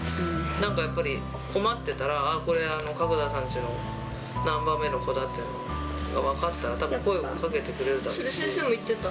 なんかやっぱり、困ってたら、ああ、これ、角田さんちの何番目の子だというのが分かったら、声をかけてくれそれ、先生も言ってた。